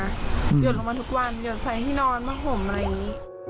หยดลงมาทุกวันอยุดไส้ห้ี่นอนมักผมอะไรนี้